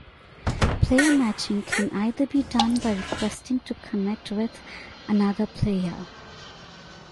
Player matching can either be done by requesting to connect with another player.